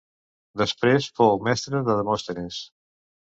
Després fou mestre de Demòstenes.